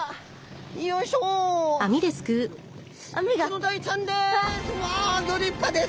クロダイちゃんです。